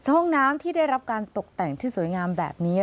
ห้องน้ำที่ได้รับการตกแต่งที่สวยงามแบบนี้